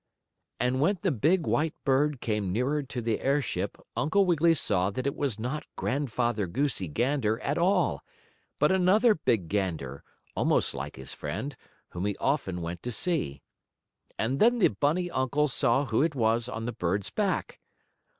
And when the big white bird came nearer to the airship Uncle Wiggily saw that it was not Grandfather Goosey Gander at all, but another big gander, almost like his friend, whom he often went to see. And then the bunny uncle saw who it was on the bird's back.